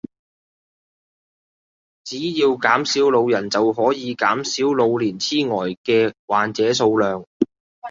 只要減少老人就可以減少老年癡呆嘅患者數量